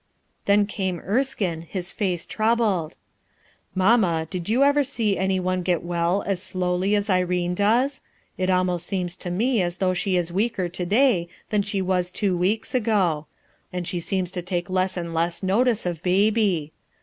' Ifcen came Erskine, his faco troubled, "Mamma, did you ever sec any one get well g slowly as Irene does? It almost seems to me as though she is weaker to day than she was two weeks ago; and she seems to take less and less notice of Baby.